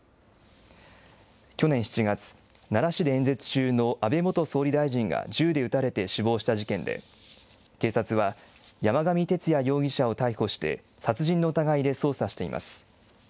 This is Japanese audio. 去年７月、奈良市で演説中の安倍元総理大臣が銃で撃たれて死亡した事件で、警察は山上徹也容疑者を逮捕して、殺人の疑いで捜査しています。